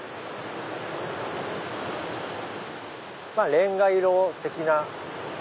レンガ色的な。